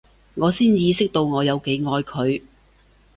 我先意識到我有幾愛佢